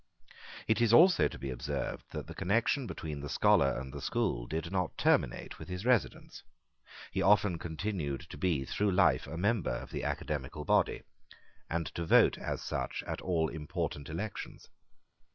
It is also to be observed that the connection between the scholar and the school did not terminate with his residence. He often continued to be through life a member of the academical body, and to vote as such at all important elections.